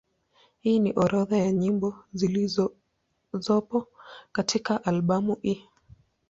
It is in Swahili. Hii ni orodha ya nyimbo zilizopo katika albamu hii.